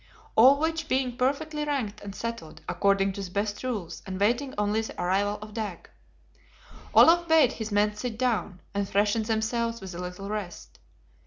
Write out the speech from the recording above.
All which being perfectly ranked and settled, according to the best rules, and waiting only the arrival of Dag, Olaf bade his men sit down, and freshen themselves with a little rest.